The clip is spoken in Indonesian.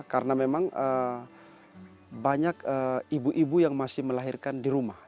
karena memang banyak ibu ibu yang masih melahirkan di rumah